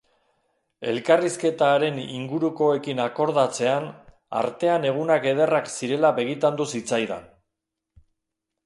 Elkarrizketa haren ingurukoekin akordatzean, artean egunak ederrak zirela begitandu zitzaidan.